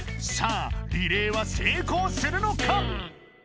さあリレーはせいこうするのか？